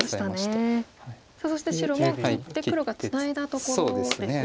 さあそして白も切って黒がツナいだところですね。